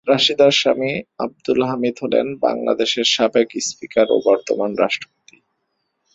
রাশিদা’র স্বামী আব্দুল হামিদ হলেন বাংলাদেশের সাবেক স্পিকার ও বর্তমান রাষ্ট্রপতি।